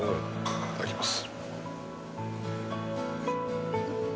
いただきます。